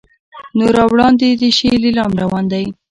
نو را وړاندې دې شي لیلام روان دی.